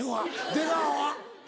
出川は？